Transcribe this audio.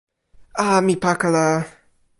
a! mi pakala!